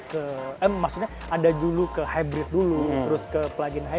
llegis yang lebih mulia pengganti buat mobil ini